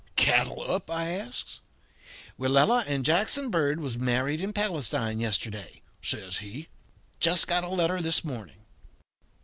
"'Cattle up?' I asks. "'Willella and Jackson Bird was married in Palestine yesterday,' says he. 'Just got a letter this morning.'